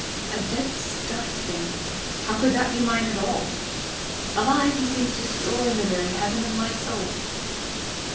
A dead stuffed thing how could that be mine at all? Alive, he seems to soar in the very heaven of my soul!"